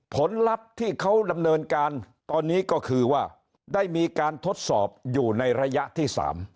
ผลลัพธ์ที่เขาดำเนินการตอนนี้ก็คือว่าได้มีการทดสอบอยู่ในระยะที่๓